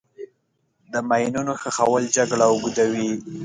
د ماینونو ښخول جګړه اوږدوي.